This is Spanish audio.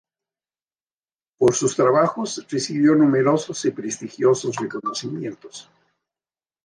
Por sus trabajos recibió numerosos y prestigiosos reconocimientos.